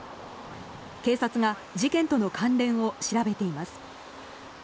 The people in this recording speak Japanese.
警察が事件との関連を調べています。